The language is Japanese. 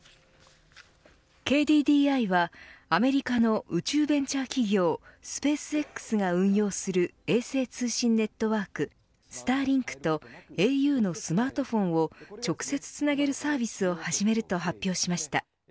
ＫＤＤＩはアメリカの宇宙ベンチャー企業スペースＸが運用する衛星通信ネットワークスターリンクとａｕのスマートフォンを直接つなげるサービスを始めると発表しました。